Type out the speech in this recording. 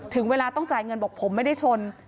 ถึงเวลาต้องจ่ายเงินบอกผมไม่ได้ชน